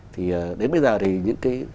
thì đến bây giờ thì những cái